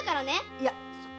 いや！